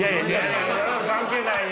関係ないよ